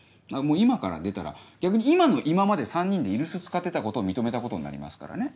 今から出たら逆に今の今まで３人で居留守使ってたことを認めたことになりますからね。